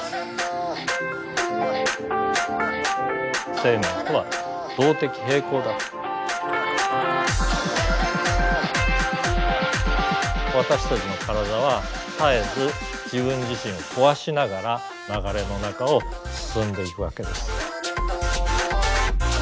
生命とは私たちの体は絶えず自分自身を壊しながら流れの中を進んでいくわけです。